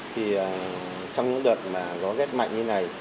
thì trong những đợt mà gió rét mạnh như này